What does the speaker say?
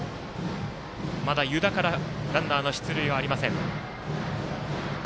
まだ、湯田からランナーの出塁はありません。